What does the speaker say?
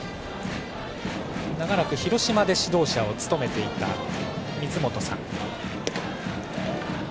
長らく広島で指導者を務めていた水本さん。